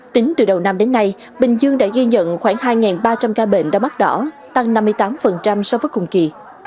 tính từ đầu năm đến nay bình dương đã ghi nhận khoảng hai ba trăm linh ca bệnh đau mắt đỏ tăng năm mươi tám so với cùng kỳ